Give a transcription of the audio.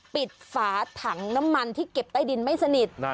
ฝาถังน้ำมันที่เก็บใต้ดินไม่สนิท